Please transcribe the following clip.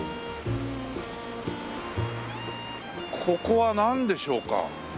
ここはなんでしょうか？